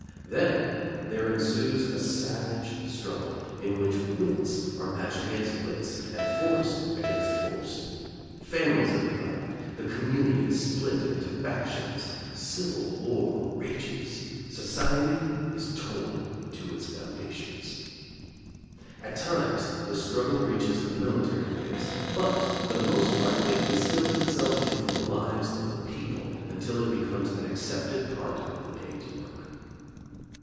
Then there ensues a savage struggle in which wits are matched against wits and force against force. Families are divided; the community is split into factions; civil war rages; society is torn to its foundations. At times the struggle reaches the military phase, but for the most part it instills itself into the lives of the people until it becomes an accepted part of the day's work.